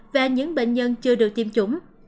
về những bệnh nhân chưa được tiêm chủng